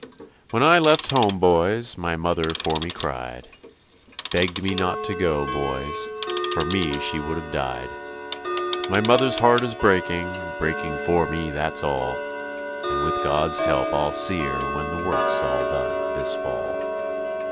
"When I left home, boys, my mother for me cried, Begged me not to go, boys, for me she would have died; My mother's heart is breaking, breaking for me, that's all, And with God's help I'll see her when the work's all done this fall."